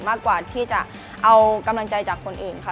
มากกว่าที่จะเอากำลังใจจากคนอื่นค่ะ